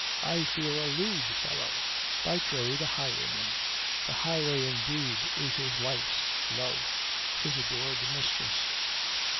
"I fear a lewd fellow. By trade a highwayman. The highway, indeed, is his life's love, his adored mistress.